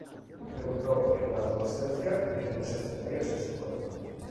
Debutó en la adolescencia en los escenarios de su pueblo.